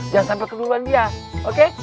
jangan sampai keluhan dia oke